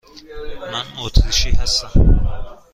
من اتریشی هستم.